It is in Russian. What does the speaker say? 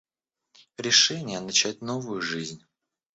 Решение начать новую жизнь.